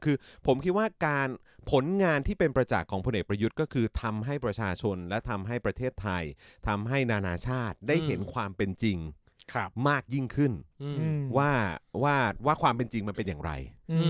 คือผมคิดว่าการผลงานที่เป็นประจักษ์ของพลเอกประยุทธ์ก็คือทำให้ประชาชนและทำให้ประเทศไทยทำให้นานาชาติได้เห็นความเป็นจริงมากยิ่งขึ้นว่าความเป็นจริงมันเป็นอย่างไร